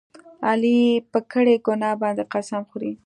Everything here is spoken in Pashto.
علي په کړې ګناه باندې قسم خوري.